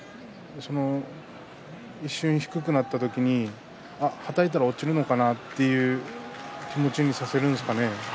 一瞬、低くなった時にはたいたら落ちるのかなという気持ちにさせるんですかね。